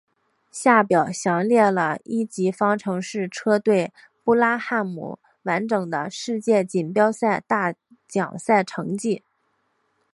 下表详列了一级方程式车队布拉汉姆完整的世界锦标赛大奖赛成绩。